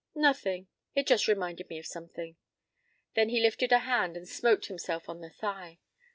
p> "Nothing. It just reminded me of something." Then he lifted a hand and smote himself on the thigh.